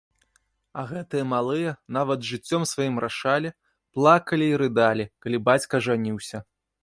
А гэтыя малыя нават жыццём сваім рашалі, плакалі і рыдалі, калі бацька жаніўся.